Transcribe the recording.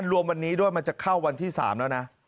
รวมวันนี้ด้วยมันจะเข้าวันที่๓แล้วนะ